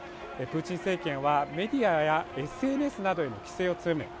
プーチン政権はメディアやＳＮＳなどへの規制を強め